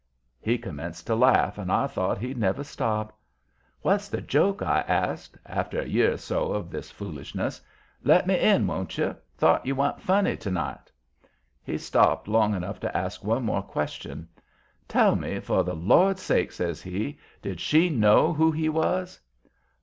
He commenced to laugh, and I thought he'd never stop. "What's the joke?" I asks, after a year or so of this foolishness. "Let me in, won't you? Thought you wa'n't funny to night." He stopped long enough to ask one more question. "Tell me, for the Lord's sake!" says he. "Did she know who he was?"